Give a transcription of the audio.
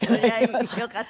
よかった。